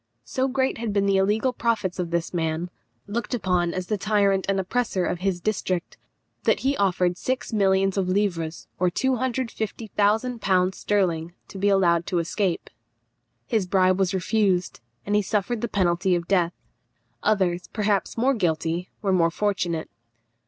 So great had been the illegal profits of this man, looked upon as the tyrant and oppressor of his district, that he offered six millions of livres, or 250,000l. sterling, to be allowed to escape. His bribe was refused, and he suffered the penalty of death. Others, perhaps more guilty, were more fortunate.